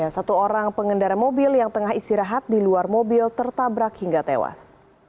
satu orang pengendara mobil yang tengah istirahat di luar mobil tertabrak hingga tewas